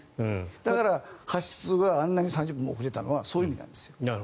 だから発出が、あんなに３０分も遅れたのはそういう意味なんですよ。